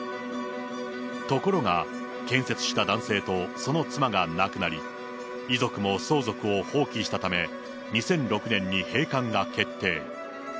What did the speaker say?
ところが、建設した男性とその妻が亡くなり、遺族も相続を放棄したため、２００６年に閉館が決定。